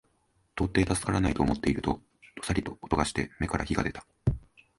到底助からないと思っていると、どさりと音がして眼から火が出た